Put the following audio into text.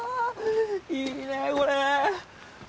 いいねこれ。